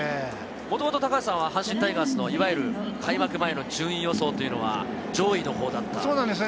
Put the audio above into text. もともと高橋さんは阪神タイガースの開幕前の順位予想は上位のほうだった。